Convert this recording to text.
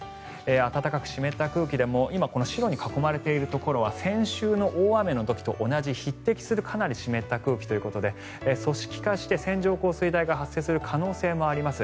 暖かく湿った空気でも今、白に囲まれているところは先週の大雨の時と同じ、匹敵するかなり湿った空気ということで組織化して線状降水帯が発生する可能性もあります。